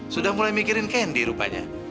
sudah mulai mikirin kendy rupanya